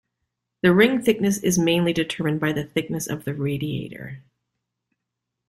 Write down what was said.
The ring thickness is mainly determined by the thickness of the radiator.